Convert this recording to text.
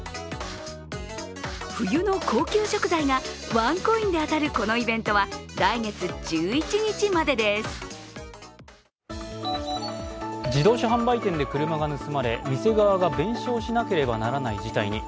冬の高級食材がワンコインで当たるこのイベントは自動車販売店で車が盗まれ、店側が弁償しなければならない事態に。